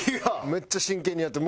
めっちゃ真剣にやってる。